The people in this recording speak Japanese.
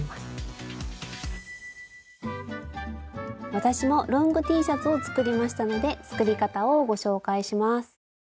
私もロングＴシャツを作りましたので作り方をご紹介します。